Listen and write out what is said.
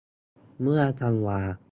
เมื่อธันวา